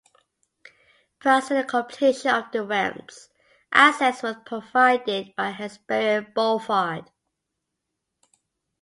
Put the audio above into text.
Prior to the completion of the ramps, access was provided by Hesperian Boulevard.